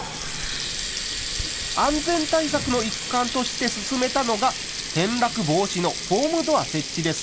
安全対策の一環として進めたのが転落防止のホームドア設置です。